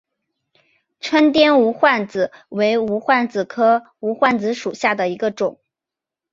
川滇无患子为无患子科无患子属下的一个种。